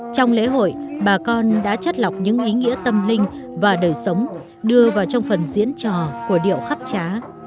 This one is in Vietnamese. trong lễ hội bà con đã chất lọc những ý nghĩa tâm linh và đời sống đưa vào trong phần diễn trò của điệu khắp trá